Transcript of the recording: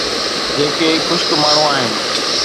جيڪي خشڪ ماڻهو آهن.